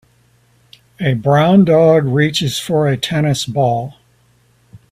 A brown dog reaches for a tennis ball.